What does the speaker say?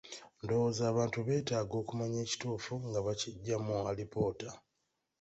Ndowooza abantu beetaaga okumanya ekituufu nga bakiggya mu alipoota.